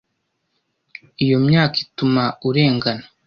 iyo myaka ituma urengana